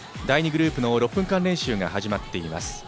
第２グループの６分間練習が始まっています。